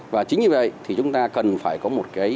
và chính vì vậy thì chúng ta cần phải có một cái